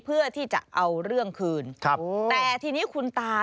เพื่อที่จะเอาเรื่องคืนครับแต่ทีนี้คุณตา